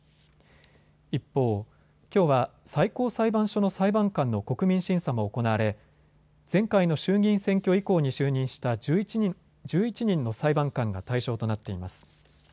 一方、きょうは最高裁判所の裁判官の国民審査も行われ前回の衆議院選挙以降に就任した１１人の裁判官が対象となっています。